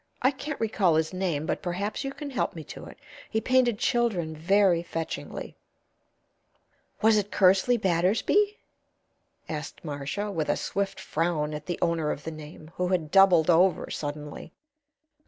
I can't recall his name, but perhaps you can help me to it. He painted children very fetchingly." "Was it Kersley Battersby?" asked Marcia, with a swift frown at the owner of the name, who had doubled over suddenly.